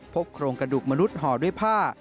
โครงกระดูกมนุษย์ห่อด้วยผ้า